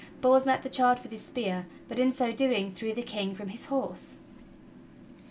Bors met the charge with his spear, but in so doing threw the King from his horse.